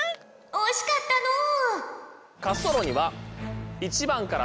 おしかったのう。